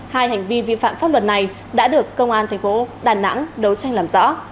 hai hành vi vi phạm pháp luật này đã được công an thành phố đà nẵng đấu tranh làm rõ